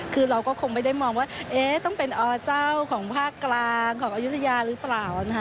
คือเราก็คงไม่ได้มองว่าต้องเป็นอเจ้าของภาคกลางของอายุทยาหรือเปล่านะคะ